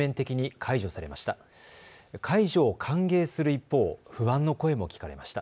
解除を歓迎する一方、不安の声も聞かれました。